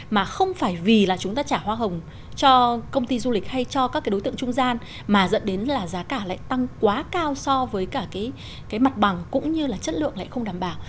mà không phải vì là chúng ta trả hoa hồng cho công ty du lịch hay cho các cái đối tượng trung gian mà dẫn đến là giá cả lại tăng quá cao so với cả cái mặt bằng cũng như là chất lượng lại không đảm bảo